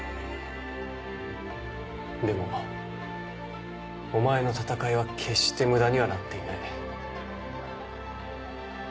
でもお前の戦いは決して無駄にはなっていない。